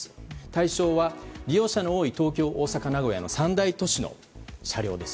対象は利用者の多い東京、大阪、名古屋の三大都市の車両。